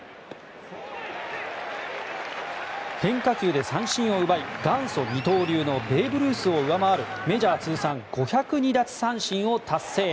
変化球で三振を奪い元祖二刀流のベーブ・ルースを上回るメジャー通算５０２奪三振を達成。